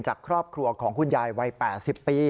จากครอบครัวของคุณยายวัย๘๐ปี